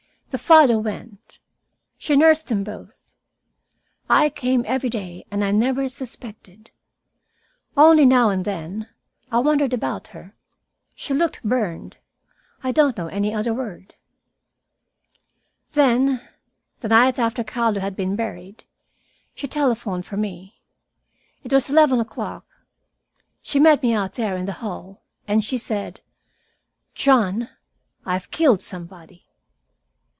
The father went. She nursed them both. I came every day, and I never suspected. Only, now and then, I wondered about her. She looked burned. I don't know any other word. "Then, the night after Carlo had been buried, she telephoned for me. It was eleven o'clock, She met me, out there in the hall, and she said, 'John, I have killed somebody.'